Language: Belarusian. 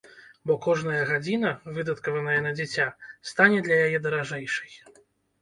Бо кожная гадзіна, выдаткаваная на дзіця, стане для яе даражэйшай.